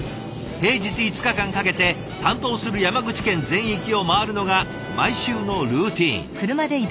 平日５日間かけて担当する山口県全域を回るのが毎週のルーティン。